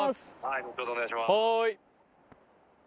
後ほどお願いします。